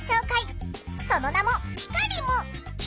その名も「ピカリム」。